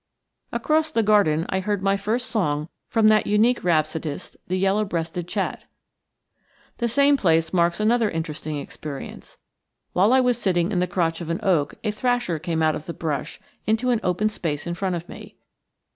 Across the garden I heard my first song from that unique rhapsodist, the yellow breasted chat. The same place marks another interesting experience. While I was sitting in the crotch of an oak a thrasher came out of the brush into an open space in front of me.